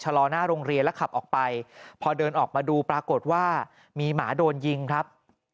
ลอหน้าโรงเรียนแล้วขับออกไปพอเดินออกมาดูปรากฏว่ามีหมาโดนยิงครับ